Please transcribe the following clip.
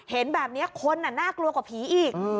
เห็นแบบนี้คนน่ากลัวกว่าผีอีก